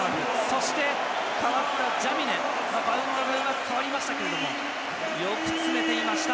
そして代わったジャミネがバウンドが変わりましたけどもよく詰めていました。